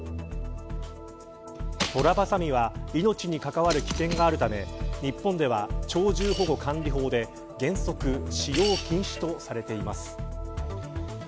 トラバサミは命に関わる危険があるため日本では、鳥獣保護管理法で原則、使用禁止とされています。